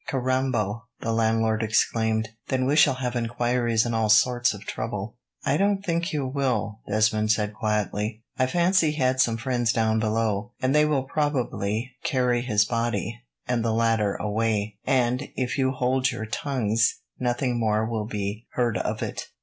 "Carrambo!" the landlord exclaimed, "then we shall have enquiries, and all sorts of trouble." "I don't think you will," Desmond said quietly. "I fancy he had some friends down below, and they will probably carry his body and the ladder away, and, if you hold your tongues, nothing more will be heard of it.